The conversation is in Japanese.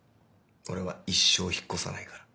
俺は一生引っ越さないから。